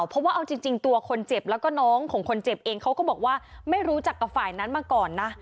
เพราะว่าเอาจริงตัวคนเจ็บแล้วก็น้องของคนเจ็บเองเขาก็บอกว่าไม่รู้จักกับฝ่ายนั้นมาก่อนนะ